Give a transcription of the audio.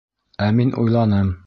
Ә мин уйланым...